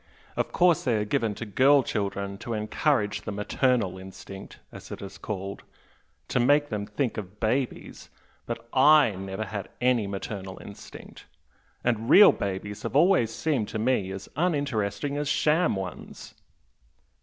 Of course they are given to girl children to encourage the 'maternal instinct' as it is called to make them think of babies, but I never had any 'maternal instinct'! and real babies have always seemed to me as uninteresting as sham ones!"